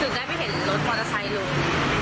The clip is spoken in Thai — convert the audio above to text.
จึงได้ไปเห็นรถมอเตอร์ไซค์ลง